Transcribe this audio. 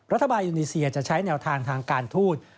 อินโดนีเซียจะใช้แนวทางทางการทูต